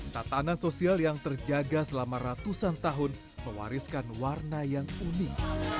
tatanan sosial yang terjaga selama ratusan tahun mewariskan warna yang unik